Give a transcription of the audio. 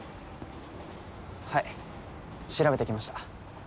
はい調べてきました。